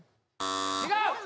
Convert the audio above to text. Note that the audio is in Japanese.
違う！